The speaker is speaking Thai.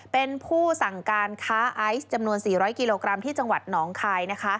เป็นผู้สั่งการค้าไอซ์จำนวน๔๐๐กิโลกรัมที่จังหวัดหนองคาย